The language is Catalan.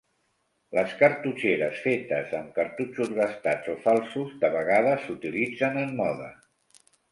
Les cartutxeres fetes amb cartutxos gastats o falsos de vegades s'utilitzen en moda.